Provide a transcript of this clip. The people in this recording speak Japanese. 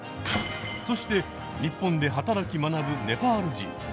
そしてニッポンで働き学ぶネパール人。